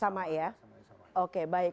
sama ya oke baik